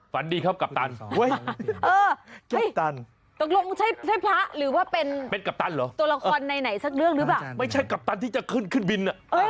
เป็นกัปตันหรือเป็นตัวละครไม่ใช่กัปตันที่จะขึ้นบิน